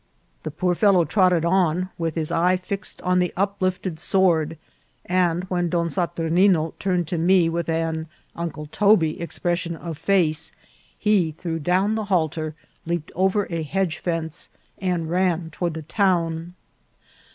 The poor fellow trotted on, with his eye fixed on the uplifted sword ; and when Don Saturnino turned to me with an Uncle Toby expression of face, he threw down the halter, leaped over a hedge fence, and ran toward the town.